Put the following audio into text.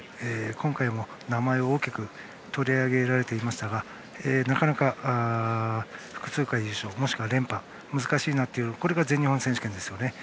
今回も名前を大きく取り上げられていましたがなかなか複数回優勝もしくは連覇、難しいなというこれが全日本選手権ですよね。